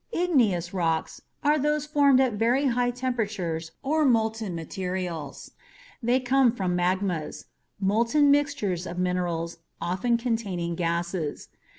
IGNEOUS rocks are those formed at very high temperatures or from molten materials. They come from magmas molten mixtures of minerals, often containing gases.